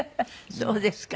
そうですか。